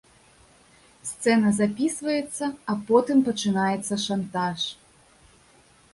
Сцэна запісваецца, а потым пачынаецца шантаж.